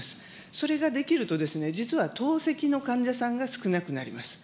それができると、実は透析の患者さんが少なくなります。